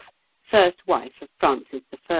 first wife of Francis I.